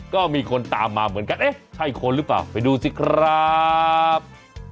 ก็มีคนตามมาเหมือนกันเอ๊ะใช่คนหรือเปล่าไปดูสิครับ